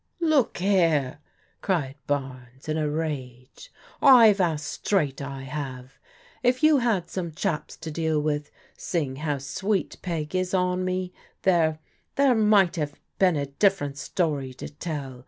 " Look here," cried Barnes in a rage. " I've asked straight, I have. If you had some chaps to deal with, seeing how sweet Peg is on me, there — there might have been a different story to tell.